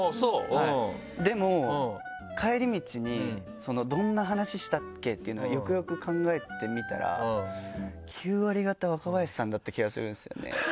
はいでも帰り道にどんな話したっけっていうのをよくよく考えてみたら９割方若林さんだった気がするんですよね。